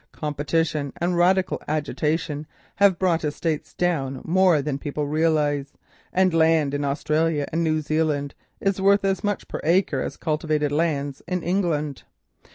Competition and Radical agitation have brought estates down more than people realise, and land in Australia and New Zealand is now worth almost as much per acre as cultivated lands in England.